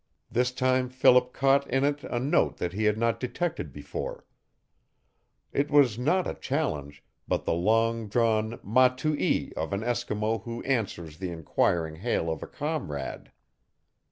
This time Philip caught in it a note that he had not detected before. It was not a challenge but the long drawn ma too ee of an Eskimo who answers the inquiring hail of a comrade.